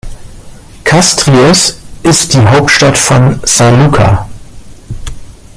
Castries ist die Hauptstadt von St. Lucia.